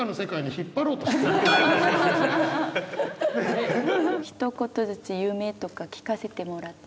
ひと言ずつ夢とか聞かせてもらってもいいですか？